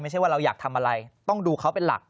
ไม่ใช่ว่าเราอยากทำอะไรต้องดูเขาเป็นหลัก